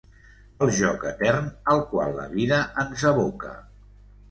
El joc etern al qual la vida ens aboca.